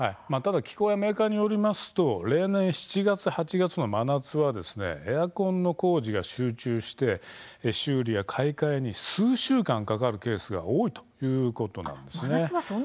機構やメーカーによりますと例年７月や８月はエアコンの工事が集中して修理や買い替えに数週間かかるケースが多いということです。